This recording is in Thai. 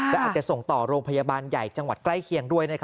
และอาจจะส่งต่อโรงพยาบาลใหญ่จังหวัดใกล้เคียงด้วย